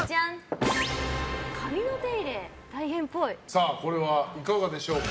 さあ、これはいかがでしょうか。